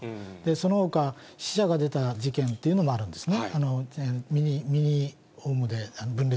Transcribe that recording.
そのほか、死者が出た事件というのもあるんですね。